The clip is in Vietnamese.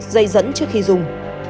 dây dẫn trước khi dùng